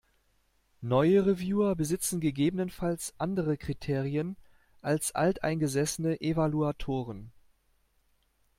Neue Reviewer besitzen ggf. andere Kriterien als alteingesessene Evaluatoren.